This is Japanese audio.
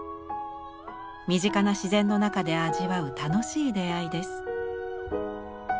身近な自然の中で味わう楽しい出会いです。